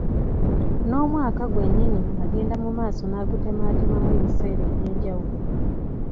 N’omwaka gwennyini agenda mu maaso n’agutemaatemamu ebiseera eby’enjawulo.